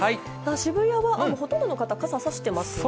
渋谷はほとんどの方、傘差してますね。